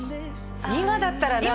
今だったらね